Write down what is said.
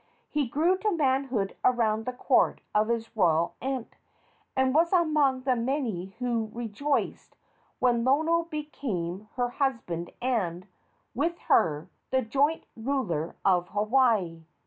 He grew to manhood around the court of his royal aunt, and was among the many who rejoiced when Lono became her husband and, with her, the joint ruler of Hawaii.